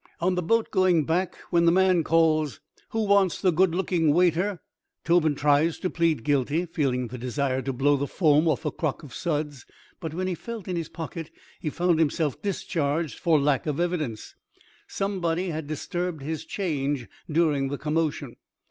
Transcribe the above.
On the boat going back, when the man calls "Who wants the good looking waiter?" Tobin tried to plead guilty, feeling the desire to blow the foam off a crock of suds, but when he felt in his pocket he found himself discharged for lack of evidence. Somebody had disturbed his change during the commotion.